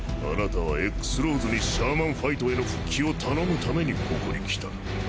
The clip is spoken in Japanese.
あなたはＸ−ＬＡＷＳにシャーマンファイトへの復帰を頼むためにここに来た。